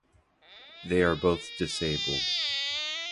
They are both disabled.